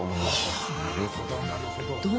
なるほどなるほど。